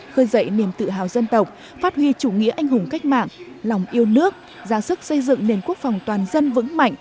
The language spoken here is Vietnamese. khơi dậy niềm tự hào dân tộc phát huy chủ nghĩa anh hùng cách mạng lòng yêu nước ra sức xây dựng nền quốc phòng toàn dân vững mạnh